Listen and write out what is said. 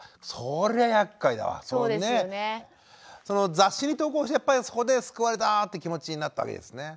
雑誌に投稿してやっぱりそこで救われたって気持ちになったわけですね。